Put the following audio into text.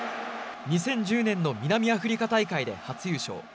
２０１０年の南アフリカ大会で初優勝。